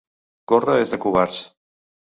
Córrer és de covards!